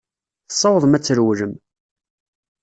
Tessawḍem ad trewlem.